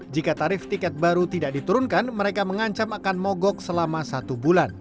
jika tarif tiket baru tidak diturunkan mereka mengancam akan mogok selama satu bulan